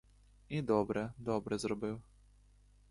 І добре, добре зробив.